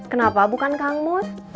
kenapa bukan kang mur